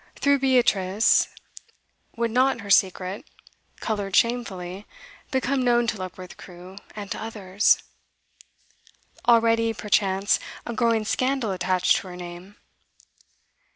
Through Beatrice, would not her secret, coloured shamefully, become known to Luckworth Crewe, and to others? Already, perchance, a growing scandal attached to her name.